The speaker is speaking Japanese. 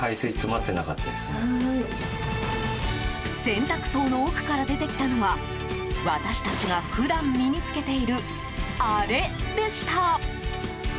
洗濯槽の奥から出てきたのは私たちが普段身に着けているあれでした。